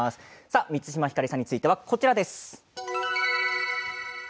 満島ひかりさんについてはこちらです。